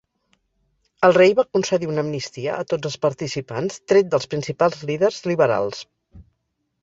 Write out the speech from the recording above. El rei va concedir una amnistia a tots els participants tret dels principals líders liberals.